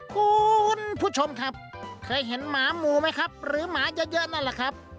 คุณผู้ชมครับเคยเห็นหมามูไหมครับหรือหมาเยอะนั่นแหละครับ